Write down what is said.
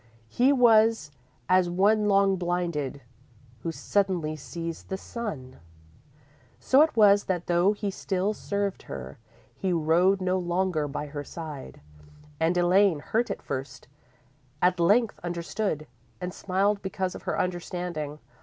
He was as one long blinded, who suddenly sees the sun._ _So it was that though he still served her, he rode no longer by her side, and Elaine, hurt at first, at length understood, and smiled because of her understanding.